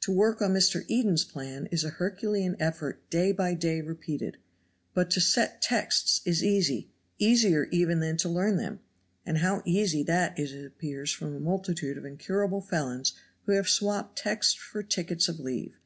To work on Mr. Eden's plan is a herculean effort day by day repeated; but to set texts is easy, easier even than to learn them and how easy that is appears from the multitude of incurable felons who have swapped texts for tickets of leave.